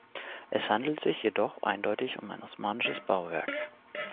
Es handelt sich jedoch eindeutig um ein osmanisches Bauwerk.